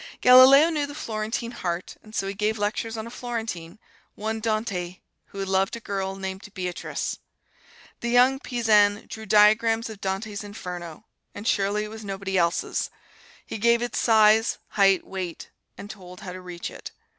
Galileo knew the Florentine heart, and so he gave lectures on a Florentine: one Dante, who loved a girl named Beatrice. The young Pisan drew diagrams of Dante's Inferno and surely it was nobody's else. He gave its size, height, weight, and told how to reach it.